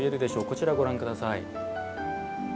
こちらご覧下さい。